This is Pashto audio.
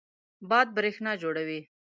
باد برېښنا جوړوي.